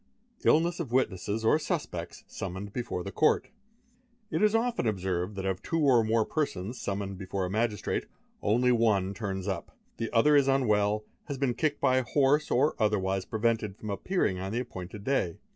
Illness of witnesses or suspects summoned before the Court. ___ It is often observed that of two or more persons summoned before a magistrate, only one turns up; the other is unwell, has been kicked by a horse, or otherwise prevented from appearing on the appointed day.